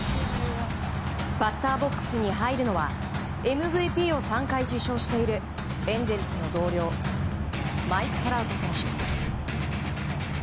バッターボックスに入るのはＭＶＰを３回受賞しているエンゼルスの同僚マイク・トラウト選手。